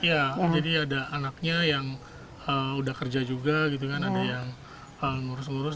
ya jadi ada anaknya yang udah kerja juga ada yang ngurus ngurus